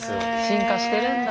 進化してるんだ。